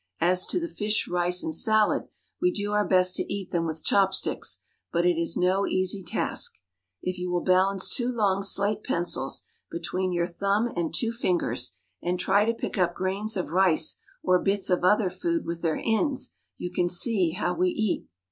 As to the fish, rice, and salad, we do our best to eat them with chopsticks, but it is no easy task. If you will balance two long slate pencils between your thumb and two fingers, and try to pick up grains of rice or bits of other food with their ends, you can see how we eat.